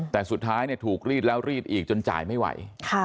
แต่สุดท้ายถูกรีดแล้วรีดอีกจนจ่ายไม่ไหว